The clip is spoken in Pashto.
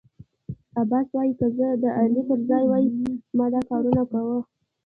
عباس وايی که زه د علي پر ځای وای ما دا کارنه کاوه.